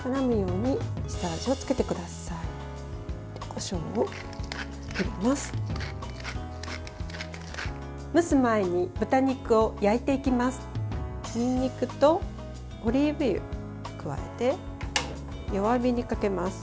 にんにくとオリーブ油を加えて弱火にかけます。